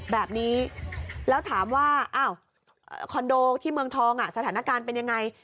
แบบนี้แล้วถามว่าอ้าวคอนโดที่เมืองทองสถานการณ์เป็นยังไง